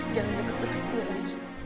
jangan deket deket gue lagi